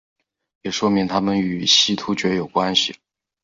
也说明他们与西突厥有关系。